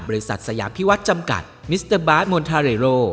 บริษัทสยามพิวัติจำกัดมิสเตอร์บาร์ดมอนทาเรโร